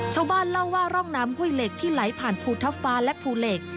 ชาวบ้านเล่าว่าร่องน้ำห้วยเหล็กที่ไหลผ่านภูทับฟ้าและภูเหล็ก